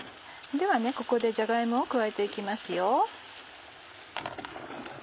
ではここでじゃが芋を加えて行きますよ。